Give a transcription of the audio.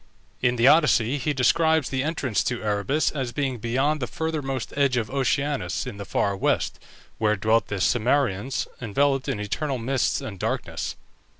In the Odyssey he describes the entrance to Erebus as being beyond the furthermost edge of Oceanus, in the far west, where dwelt the Cimmerians, enveloped in eternal mists and darkness.